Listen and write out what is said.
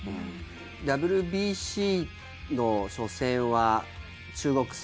ＷＢＣの初戦は中国戦。